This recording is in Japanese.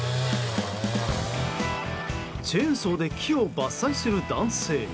チェーンソーで木を伐採する男性。